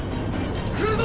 来るぞ！